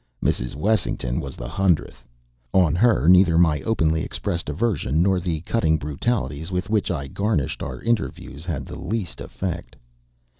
Mrs. Wessington was the hundredth. On her neither my openly expressed aversion nor the cutting brutalities with which I garnished our interviews had the least effect.